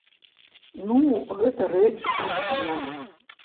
Ну, гэта рэч іншая.